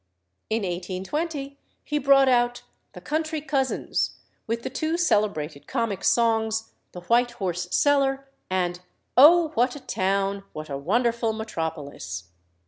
In 1820 he brought out "The Country Cousins," with the two celebrated comic songs, "The White Horse Cellar," and "O, what a Town! what a Wonderful Metropolis!"